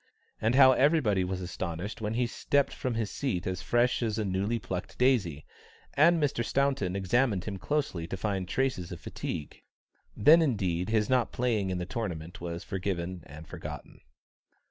And how everybody was astonished when he stepped from his seat as fresh as a newly plucked daisy, and Mr. Staunton examined him closely to find traces of fatigue. Then indeed his not playing in the tournament was forgiven and forgotten.